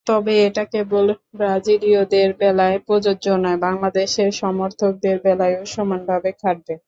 তবে এটা কেবল ব্রাজিলীয়দের বেলায় প্রযোজ্য নয়, বাংলাদেশের সমর্থকদের বেলায়ও সমানভাবে খাটবে।